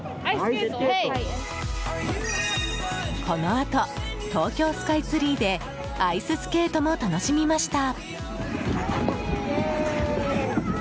このあと、東京スカイツリーでアイススケートも楽しみました。